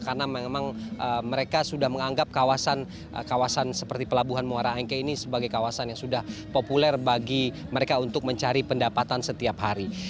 karena memang mereka sudah menganggap kawasan seperti pelabuhan muara angke ini sebagai kawasan yang sudah populer bagi mereka untuk mencari pendapatan setiap hari